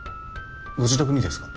ご自宅にですか？